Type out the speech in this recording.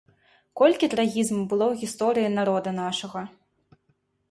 Колькі трагізму было ў гісторыі народа нашага!